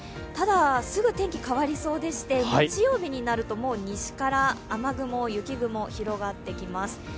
ただすぐ天気、変わりそうでして、日曜日になるともう西から雨雲、雪雲、広がってきます。